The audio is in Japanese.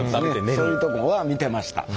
そういうところは見てました。